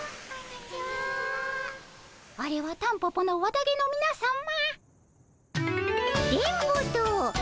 あれはタンポポの綿毛のみなさま。